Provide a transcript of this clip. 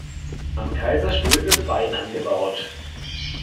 Am Kaiserstuhl wird Wein angebaut.